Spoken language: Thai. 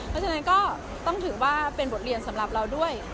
เพราะฉะนั้นก็ต้องถือว่าเป็นบทเรียนสำหรับเราด้วย